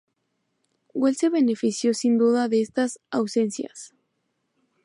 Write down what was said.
Wells se benefició sin duda de estas ausencias.